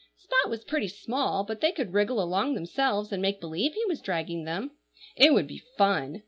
Spot was pretty small, but they could wriggle along themselves, and make believe he was dragging them. It would be fun!